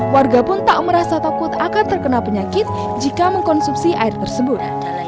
warga pun tak merasa takut akan terkena penyakit jika mengkonsumsi air tersebut